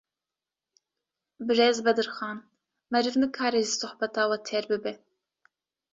Birêz Bedirxan, meriv nikare ji sohbeta we têr bibe